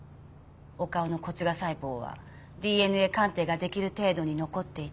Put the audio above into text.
岡尾の骨芽細胞はＤＮＡ鑑定ができる程度に残っていた。